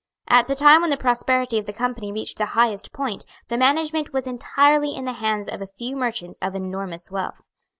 At the time when the prosperity of the Company reached the highest point, the management was entirely in the hands of a few merchants of enormous wealth.